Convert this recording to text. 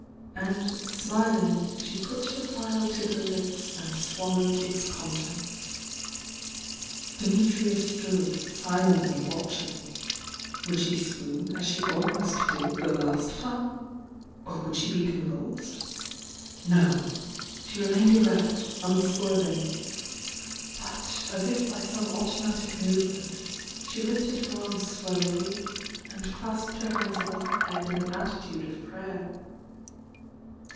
And, smiling, she put the phial to her lips and swallowed its contents. Dimitrius stood, silently watching. Would she swoon, as she almost did the last time? — or would she be convulsed? No! — she remained erect, — un swerving: — but, as if by some automatic movement, she lifted her arms slowly and clasped her hands above her head in an attitude of prayer.